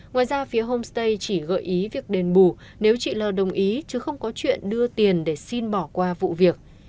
ngoài ra phía homestay chỉ gợi ý việc đền bù nếu chị l đồng ý chứ không có chuyện đưa tiền để xin bỏ qua vụ việc